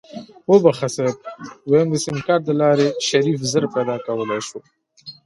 وبښه صيب ويم د سيمکارټ دلارې شريف زر پيدا کولی شو.